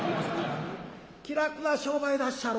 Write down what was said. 気楽な商売だっしゃろ？